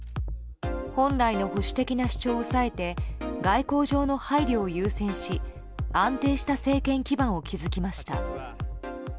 本来の保守的な主張を抑えて外交上の配慮を優先し安定した政権基盤を築きました。